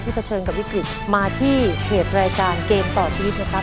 ที่เกิดเชิงกับวิกฤตมาที่เขตรายจารย์เกมต่อชีวิตนะครับ